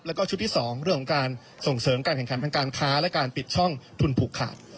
แล้วก็ชุดที่๒เรื่องของการส่งเสริมการแข่งขันทางการค้าและการปิดช่องทุนผูกขาด